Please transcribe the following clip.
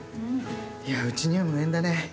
いや、うちには無縁だね。